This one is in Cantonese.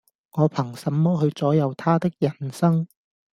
我憑什麼去左右他的人生